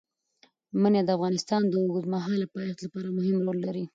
منی د افغانستان د اوږدمهاله پایښت لپاره مهم رول لري.